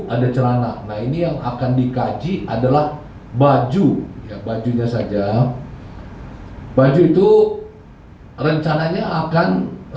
ada celana nah ini yang akan dikaji adalah baju ya bajunya saja baju itu rencananya akan